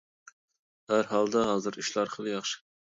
ھەر ھالدا ھازىر ئىشلار خېلى ياخشى.